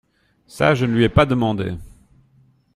Ca, je ne le lui ai pas demandé.